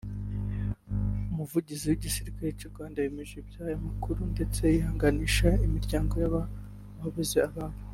Umuvugizi w’Igisirikare cy’u Rwanda yemeje iby’aya makuru ndetse yihanganisha imiryango y’ababuze ababo